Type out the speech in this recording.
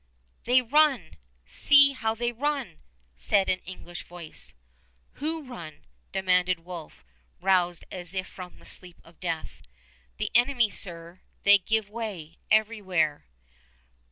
they run! See how they run!" said an English voice. "Who run?" demanded Wolfe, roused as if from the sleep of death. "The enemy, sir. They give way ... everywhere."